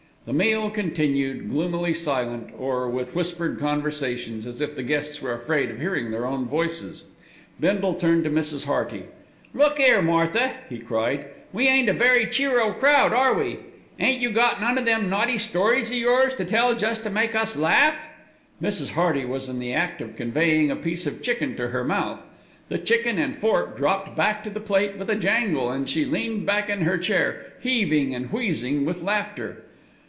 The meal continued, gloomily silent, or with whispered conversations, as if the guests were afraid of hearing their own voices. Bindle turned to Mrs. Hearty. "Look 'ere, Martha!" he cried. "We ain't a very cheer o crowd, are we? Ain't you got none of them naughty stories o' yours to tell jest to make us laugh." Mrs. Hearty was in the act of conveying a piece of chicken to her mouth. The chicken and fork dropped back to the plate with a jangle, and she leaned back in her chair, heaving and wheezing with laughter.